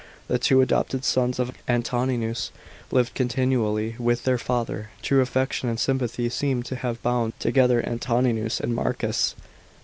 § 9. The two adopted sons of Antoninus lived continually with their father. True affection and sympathy seemed to have bound together Antoninus and Marcus.